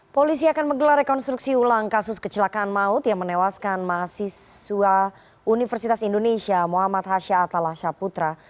polisi akan menggelar rekonstruksi ulang kasus kecelakaan maut yang menewaskan mahasiswa universitas indonesia muhammad hasha atalasha putra